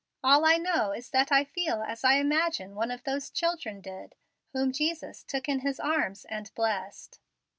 All I know is that I feel as I imagine one of those children did whom Jesus took in his arms and blessed."